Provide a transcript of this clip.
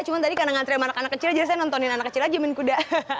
cuma tadi karena ngantri sama anak anak kecil jadi saya nontonin anak kecil aja main kuda